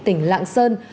tỉnh lạng sơn